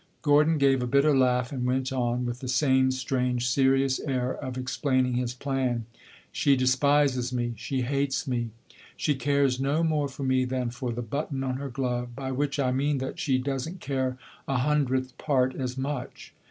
Gordon gave a bitter laugh and went on, with the same strange, serious air of explaining his plan. "She despises me, she hates me, she cares no more for me than for the button on her glove by which I mean that she does n't care a hundredth part as much.